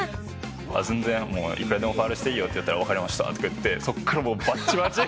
全然もういくらでもファウルしていいよって言ったら「わかりました」とか言ってそこからもうバチバチ。